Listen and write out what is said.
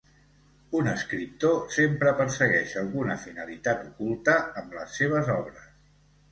Un escriptor sempre persegueix alguna finalitat oculta amb les seves obres.